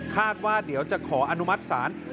คาดว่าเดี๋ยวจะขออนุมัติศาล